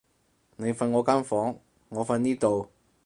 你瞓我間房，我瞓呢度